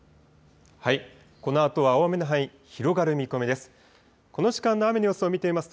このあとは大雨の範囲、広がる見込みです。